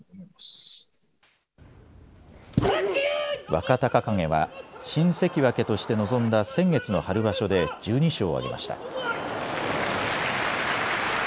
若隆景は新関脇として臨んだ先月の春場所で１２勝を挙げました。